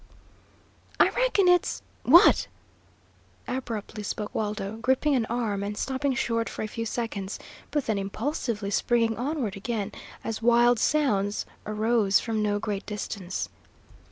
"I reckon it's what?" abruptly spoke Waldo, gripping an arm and stopping short for a few seconds, but then impulsively springing onward again as wild sounds arose from no great distance.